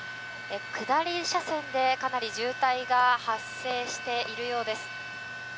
下り車線で、かなり渋滞が発生しているようです。